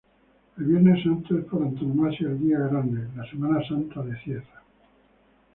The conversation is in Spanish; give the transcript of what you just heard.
El Viernes Santo es por antonomasia el día grande la Semana Santa de Cieza.